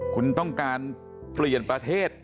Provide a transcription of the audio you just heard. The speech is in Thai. คุณต้องการเปลี่ยนประเทศ